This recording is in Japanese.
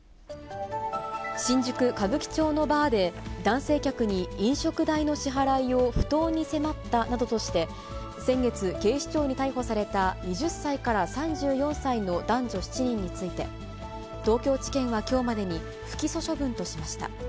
新宿・歌舞伎町のバーで、男性客に飲食代の支払いを不当に迫ったなどとして、先月、警視庁に逮捕された２０歳から３４歳の男女７人について、東京地検はきょうまでに不起訴処分としました。